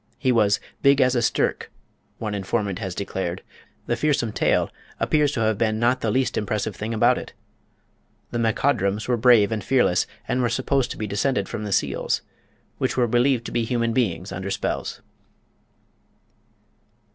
He was "big as a stirk," one informant has declared The "fearsome tail" appears to have been not the least impressive thing about it. The MacCodrums were brave and fearless, and were supposed to be descended from Seals, which were believed to be human beings under spells.